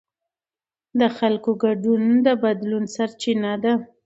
د خلکو ګډون د بدلون سرچینه ده